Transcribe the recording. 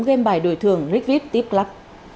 game bài đổi thường rigvip tipclub